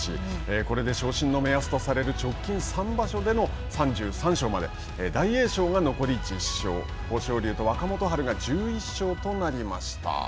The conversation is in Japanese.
これで昇進の目安とされる直近三場所では、３３勝まで大栄翔が残り１０勝、豊昇龍と若元春が１１勝となりま